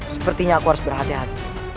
sepertinya aku harus berhati hati